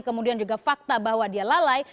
kemudian juga fakta bahwa dia lalai